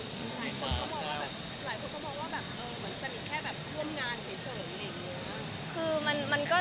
หลายคนก็มองว่าสนิทแค่แบบร่วมงานเฉยเลย